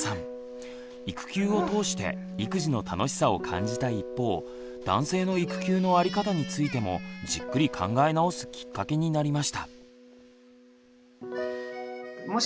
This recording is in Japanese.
育休を通して育児の楽しさを感じた一方男性の育休の在り方についてもじっくり考え直すきっかけになりました。